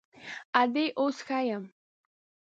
_ادې، اوس ښه يم.